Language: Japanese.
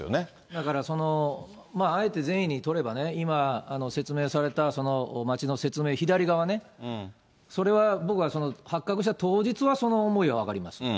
だから、まああえて善意に取れば、今説明された町の説明、左側ね、それは僕は、発覚した当日はその思いは分かります。